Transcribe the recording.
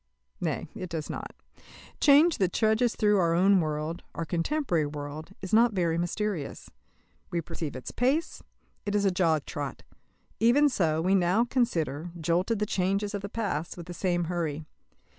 Nay, it does not. Change that trudges through our own world our contemporary world is not very mysterious. We perceive its pace; it is a jog trot. Even so, we now consider, jolted the changes of the past, with the same hurry.